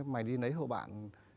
mày đi lấy hộ bạn